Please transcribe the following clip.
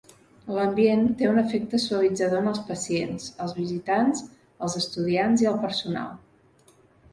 L'ambient té un efecte suavitzador en els pacients, els visitants, els estudiants i el personal.